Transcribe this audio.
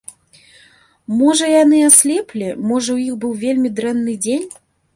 Можа, яны аслеплі, можа, у іх быў вельмі дрэнны дзень.